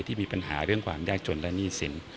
ที่มีปัญหาเรื่องความยากจนและหนี้สิน